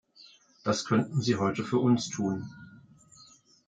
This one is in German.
Das könnten Sie heute für uns tun.